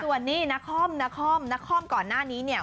ส่วนนี้นครก่อนหน้านี้เนี่ย